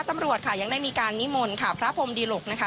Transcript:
ตำรวจค่ะยังได้มีการนิมนต์ค่ะพระพรมดิหลกนะคะ